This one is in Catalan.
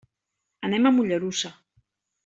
Anem a Mollerussa.